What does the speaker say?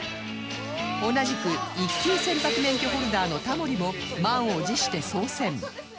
同じく一級船舶免許ホルダーのタモリも満を持して操船